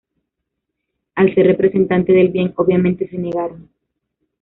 Al ser representantes del Bien, obviamente se negaron.